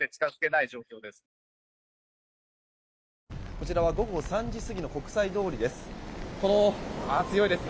こちらは午後３時過ぎの国際通りです。